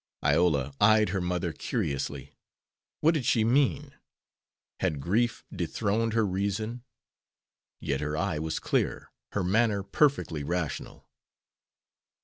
Iola eyed her mother curiously. What did she mean? Had grief dethroned her reason? Yet her eye was clear, her manner perfectly rational.